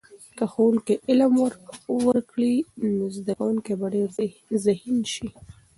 که ښوونکی علم ورکړي، نو زده کونکي به ډېر ذهین سي.